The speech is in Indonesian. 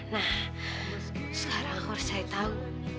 nah sekarang harus saya tahu